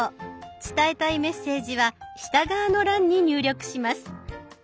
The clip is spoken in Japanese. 伝えたいメッセージは下側の欄に入力します。